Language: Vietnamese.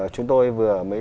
chúng tôi vừa mới